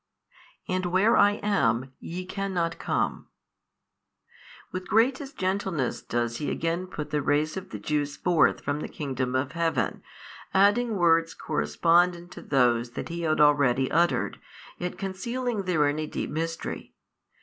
And where I am, YE cannot come. With greatest gentleness does He again put the race of the Jews forth from the kingdom of Heaven, adding words correspondent to those that He had already uttered, yet concealing therein a deep Mystery.